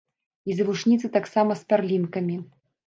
І завушніцы таксама з пярлінкамі.